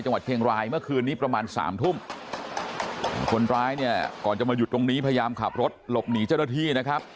จังหวัดเชียงรายเมื่อคืนนี้ประมาณสามทุ่มคนร้ายเนี่ยก่อนจะมาหยุดตรงนี้พยายามขับรถหลบหนีเจ้าหน้าที่นะครับ